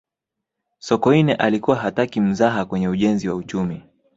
sokoine alikuwa hataki mzaha kwenye ujenzi wa uchumi